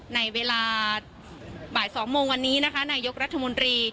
ในเวลาบ่าย๒โมงวันนี้นะคะนายกรัฐมนตรี